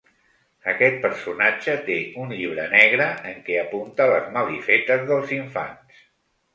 Aquest personatge té un llibre negre en què apunta les malifetes dels infants.